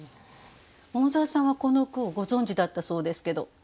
桃沢さんはこの句をご存じだったそうですけど。